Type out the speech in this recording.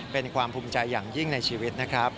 เป็นความภูมิใจอย่างยิ่งในชีวิตนะครับ